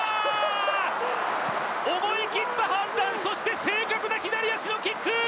思い切った判断そして正確な左足のキック！